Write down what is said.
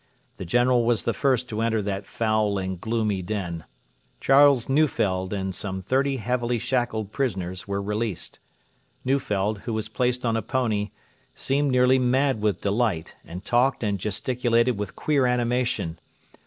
The General was the first to enter that foul and gloomy den. Charles Neufeld and some thirty heavily shackled prisoners were released. Neufeld, who was placed on a pony, seemed nearly mad with delight, and talked and gesticulated with queer animation.